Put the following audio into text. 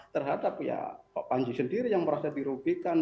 terhadap ya pak panji sendiri yang merasa dirugikan